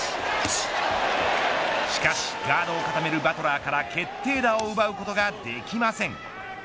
しかしガードを固めるバトラーから決定打を奪うことができません。